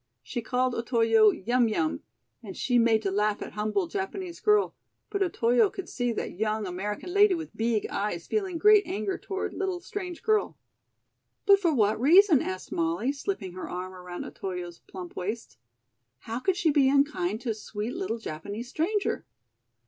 She called Otoyo "Yum Yum" and she made to laugh at humble Japanese girl, but Otoyo could see that young American lady with beeg eyes feeling great anger toward little strange girl. "But for what reason?" asked Molly, slipping her arm around Otoyo's plump waist. "How could she be unkind to sweet little Japanese stranger?"